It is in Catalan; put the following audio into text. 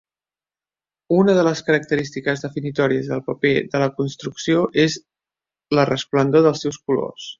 Una de les característiques definitòries del paper de la construcció és la resplendor dels seus colors.